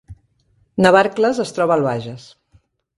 Navarcles es troba al Bages